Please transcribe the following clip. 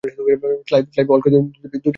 Clyde Walcott দু'টি আত্মজীবনী প্রকাশ করেন।